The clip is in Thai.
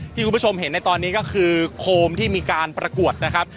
คุณผู้ชมเห็นในตอนนี้ก็คือโคมที่มีการประกวดนะครับ